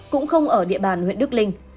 cũng không ở địa bàn huyện đức linh